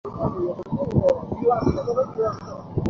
শেষ হলে ডাক দিয়েন।